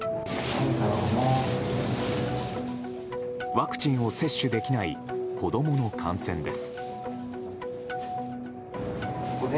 ワクチンを接種できない子供の感染です。